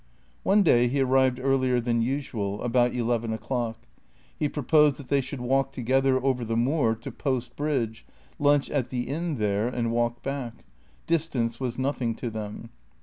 One day he arrived earlier than usual, about eleven o'clock. He proposed that they should walk together over the moor to Post Bridge, lunch at the inn there and walk back. Distance was nothing to them.